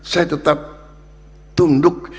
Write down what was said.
saya tetap tunduk